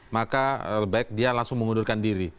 maka lebih baik dia langsung mengundurkan diri